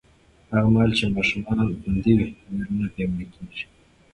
هغه مهال چې ماشومان خوندي وي، ویره نه پیاوړې کېږي.